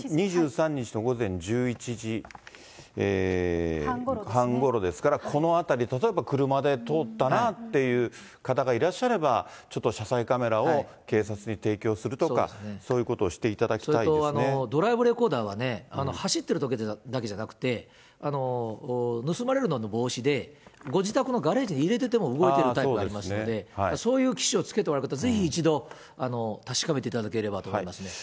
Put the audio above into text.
２３日の午前１１時半ごろですから、この辺り、例えば車で通ったなっていう方がいらっしゃれば、ちょっと車載カメラを警察に提供するとか、そういうことをしていそれとドライブレコーダーは、走ってるときだけじゃなくて、盗まれるのの防止でご自宅のガレージに入れてても動いてるタイプがありますので、そういう機種をつけておられる方、ぜひ一度、確かめていただければと思いますね。